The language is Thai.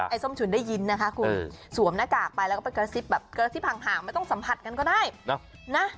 ส้มฉุนได้ยินนะคะคุณสวมหน้ากากไปแล้วก็ไปกระซิบแบบกระซิบห่างไม่ต้องสัมผัสกันก็ได้นะ